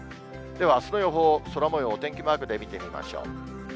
ではあすの予報、空もようをお天気マークで見てみましょう。